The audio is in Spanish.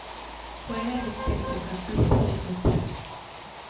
Juega de centrocampista o defensa.